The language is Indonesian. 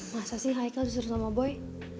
masa sih haikal disuruh sama boy